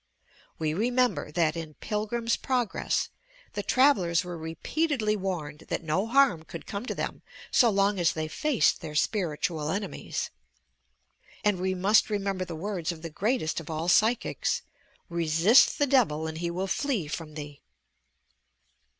We remember that, in "Pilgrim's Progress," the travellers were repeatedly warned that no harm could eome to them so long as they faced their spiritual enemies. And we must re member the words of the greatest of all psychics, "Resist the devil and he will flee from thee."